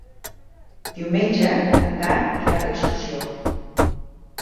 Diumenge en Dan irà d'excursió.